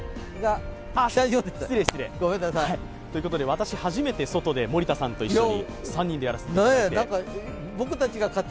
私、初めて外で森田さんと一緒に３人でやらせていただいて。